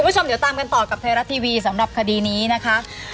คุณผู้ชมเดี๋ยวตามกันต่อกับไทยรัฐทีวีสำหรับคดีนี้นะคะ